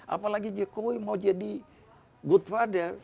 apalagi jokowi mau jadi good father